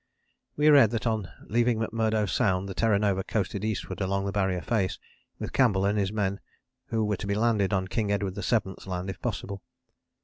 " We read that on leaving McMurdo Sound the Terra Nova coasted eastward along the Barrier face, with Campbell and his men who were to be landed on King Edward VII.'s Land if possible.